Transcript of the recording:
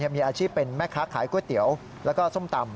มีอาชีพเป็นแม่ค้าขายก๋วยเตี๋ยวแล้วก็ส้มตำ